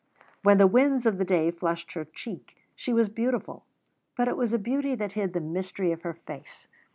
When the winds of the day flushed her cheek she was beautiful; but it was a beauty that hid the mystery of her face.